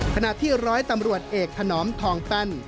ขณะที่ร้อยตำรวจเอกถนอมทองแป้น